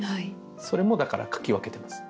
それもだから書き分けてます。